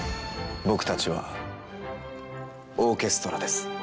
僕たちはオーケストラです。